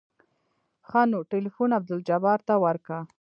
ښه نو ټېلفون عبدالجبار ته ورکه.